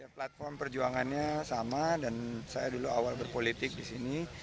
platform perjuangannya sama dan saya dulu awal berpolitik di sini